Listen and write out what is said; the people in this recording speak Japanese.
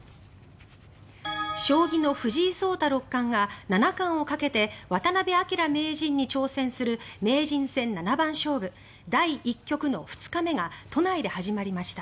将棋の藤井聡太六冠が七冠をかけて渡辺明名人に挑戦する名人戦七番勝負第１局の２日目が都内で始まりました。